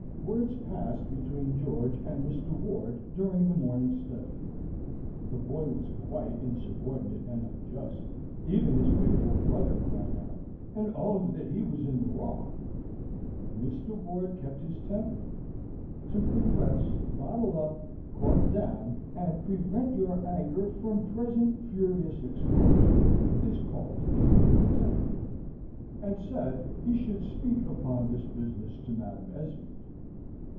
Words passed between George and Mr. Ward during the morning study. The boy was quite insubordinate and unjust: even his faithful brother cried out, and owned that he was in the wrong. Mr. Ward kept his temper to compress, bottle up, cork down, and prevent your anger from present furious explosion, is called keeping your temper and said he should speak upon this business to Madam Esmond.